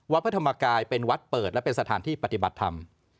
พระธรรมกายเป็นวัดเปิดและเป็นสถานที่ปฏิบัติธรรม